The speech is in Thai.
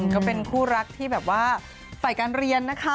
ก็เป็นคู่รักที่แบบว่าฝ่ายการเรียนนะคะ